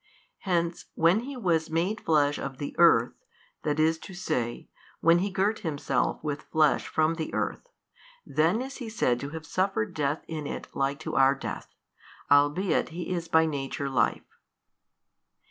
Hence, when He was made flesh of the earth, i. e., when He girt Himself with flesh from the earth, then is He said to have suffered death in it like to our death, albeit He is by Nature Life.